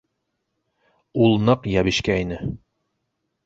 Ул ныҡ йәбешкәйне.